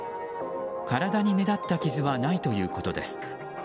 体に目立った傷はないということです。